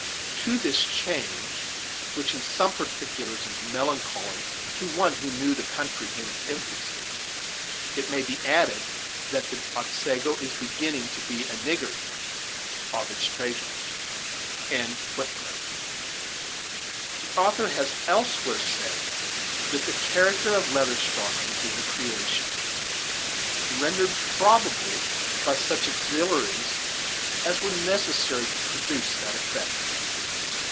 To this change (which in some particulars is melancholy to one who knew the country in its infancy), it may be added that the Otsego is beginning to be a niggard of its treasures. The author has elsewhere said that the character of Leather Stocking is a creation, rendered probable by such auxiliaries as were necessary to produce that effect.